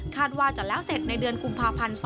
คาดว่าจะแล้วเสร็จในเดือนกุภ๒๕๖๒